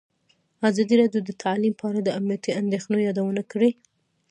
ازادي راډیو د تعلیم په اړه د امنیتي اندېښنو یادونه کړې.